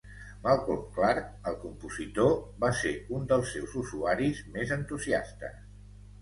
Malcolm Clarke, el compositor, va ser un dels seus usuaris més entusiastes.